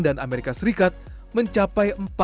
dan amerika serikat mencapai